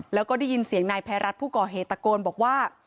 แล้วก็ได้ยินเสียงนายภัยรัฐผู้ก่อเหตุตะโกนบอกว่า